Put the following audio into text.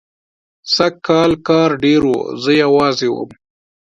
سږکال کار ډېر و، زه یوازې وم.